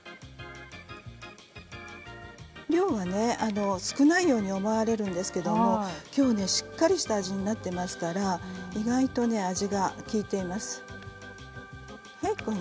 量は少ないように思われるんですけれども、きょうはしっかりした味になっていますから、意外と味が利いています。